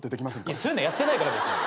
いやそういうのやってないから別に。